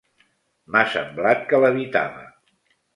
M'ha semblat que levitava.